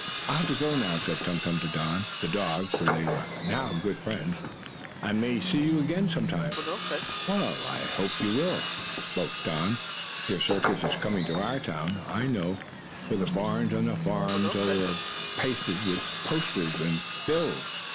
"I'll have to go now," said Tum Tum to Don, the dog, for they were now good friends. "I may see you again, sometime." "I hope you will," spoke Don. "Your circus is coming to our town, I know, for the barns on our farm are pasted over with posters, and bills."